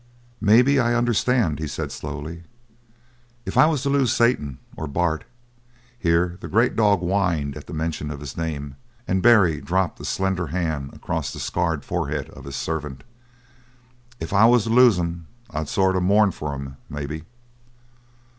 "Maybe I understand," he said slowly. "If I was to lose Satan, or Bart " here the great dog whined at the mention of his name, and Barry dropped a slender hand across the scarred forehead of his servant. "If I was to lose 'em, I'd sort of mourn for 'em, maybe."